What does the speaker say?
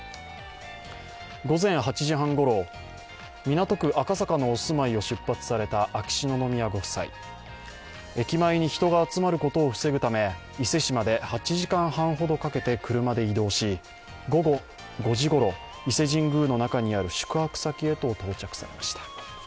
午前８時半ごろ、港区赤坂のお住まいを出発された秋篠宮ご夫妻、駅前に人が集まることを防ぐため、伊勢市まで８時間半ほどかけて車で移動し午後５時ごろ、伊勢神宮の中にある宿泊先へと到着されました。